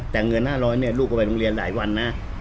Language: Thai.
แต่เงิน๕๐๐เนี่ยลูกก็ไปโรงเรียนหลายวันนะ